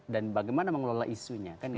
dan bagaimana mengelola isunya